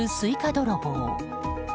泥棒。